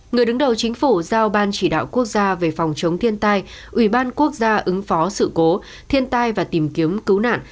người đứng đầu chính phủ giao ban chỉ đạo quốc gia về phòng chống thiên tai ủy ban quốc gia ứng phó sự cố thiên tai và tìm kiếm cứu nạn